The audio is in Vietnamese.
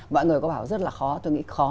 mọi người có bảo rất là khó tôi nghĩ khó